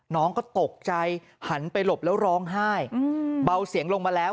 น้องก็ตกใจหันไปหลบแล้วร้องไห้เบาเสียงลงมาแล้ว